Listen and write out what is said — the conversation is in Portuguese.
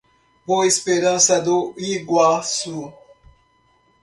Boa Esperança do Iguaçu